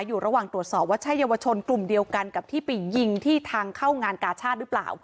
อยู่ระหว่างตรวจสอบว่าใช่เยาวชนกลุ่มเดียวกันกับที่ไปยิงที่ทางเข้างานกาชาติหรือเปล่า